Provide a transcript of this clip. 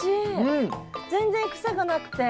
全然癖がなくて。